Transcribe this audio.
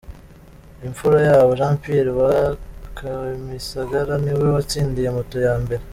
Imfurayabo Jean Pierre wa Kimisagara niwe watsindiye moto ya mbere.